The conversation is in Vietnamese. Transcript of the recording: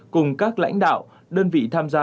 cùng các lãnh đạo đơn vị tham gia